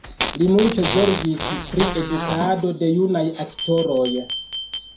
Li multe zorgis pri edukado de junaj aktoroj.